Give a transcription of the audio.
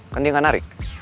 kan dia gak narik